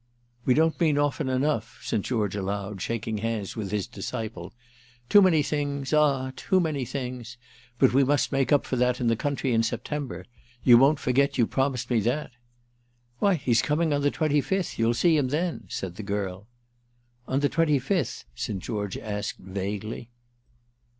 "We don't meet often enough," St. George allowed, shaking hands with his disciple. "Too many things—ah too many things! But we must make it up in the country in September. You won't forget you've promised me that?" "Why he's coming on the twenty fifth—you'll see him then," said the girl. "On the twenty fifth?" St. George asked vaguely.